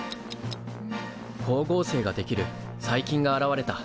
光合成ができる細菌が現れた。